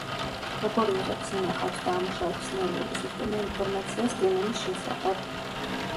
როგორ იღებს, ინახავს და ამუშავებს ნერვული სისტემა ინფორმაციას სტიმულის შესახებ?